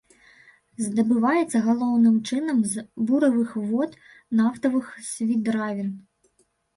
Здабываецца галоўным чынам з буравых вод нафтавых свідравін.